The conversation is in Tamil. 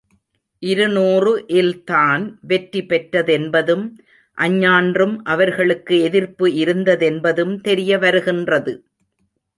இருநூறு இல் தான் வெற்றி பெற்றதென்பதும் அஞ்ஞான்றும் அவர்களுக்கு எதிர்ப்பு இருந்ததென்பதும் தெரியவருகின்றது.